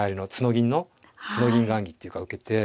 銀のツノ銀雁木っていうか受けて。